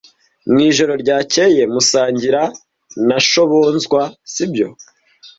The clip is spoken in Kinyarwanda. Mwijoro ryakeye musangira na Shobonzwa, sibyo?